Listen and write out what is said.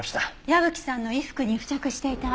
矢吹さんの衣服に付着していた。